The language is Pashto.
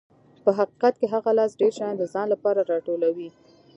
په حقیقت کې هغه لاس ډېر شیان د ځان لپاره راټولوي.